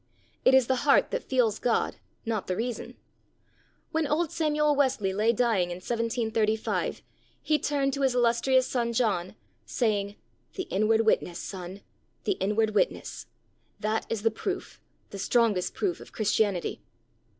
It is the heart that feels God, not the reason.' When old Samuel Wesley lay dying in 1735, he turned to his illustrious son John, saying: 'The inward witness, son, the inward witness! That is the proof, the strongest proof of Christianity!'